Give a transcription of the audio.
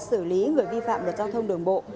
xử lý người vi phạm luật giao thông đường bộ